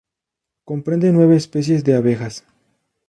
Comprende nueve especies de abejas.